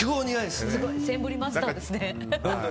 すごいセンブリマスターですね。